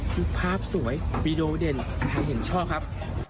คือภาพสวยปีโดเด่นใครเห็นชอบครับ